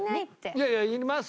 いやいやいます。